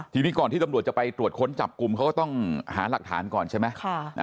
ทีนี้ก่อนที่ตำรวจจะไปตรวจค้นจับกลุ่มเขาก็ต้องหาหลักฐานก่อนใช่ไหม